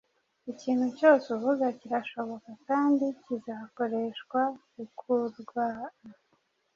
Ikintu cyose uvuga kirashobora kandi kizakoreshwa kukurwaa.